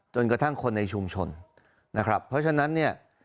จนกระทั่งคนในชุมชนนะครับเพราะฉะนั้นเนี่ย